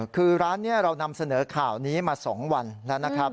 คือร้านนี้เรานำเสนอข่าวนี้มา๒วันแล้วนะครับ